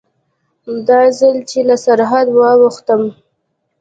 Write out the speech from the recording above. دا ځل چې له سرحده واوښتم.